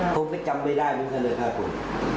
ผมก็จำไม่ได้เหมือนกันเลยครับผม